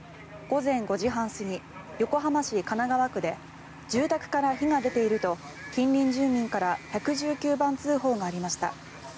午前５時半過ぎ横浜市神奈川区で住宅から火が出ていると近隣住民から１１９番通報がありました。